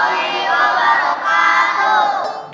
waalaikumsalam warahmatullahi wabarakatuh